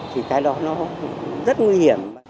thì cái đó nó rất nguy hiểm